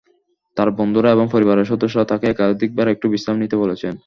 তাঁর বন্ধুরা এবং পরিবারের সদস্যরা তাঁকে একাধিকবার একটু বিশ্রাম নিতে বলেছেন।